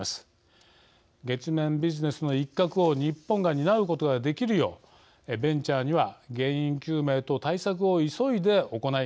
月面ビジネスの一角を日本が担うことができるようベンチャーには原因究明と対策を急いで行い